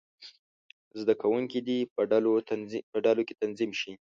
زده کوونکي دې په ډلو کې تنظیم شي.